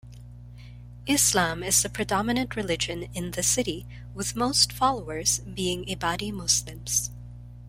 Islam is the predominant religion in the city, with most followers being Ibadi Muslims.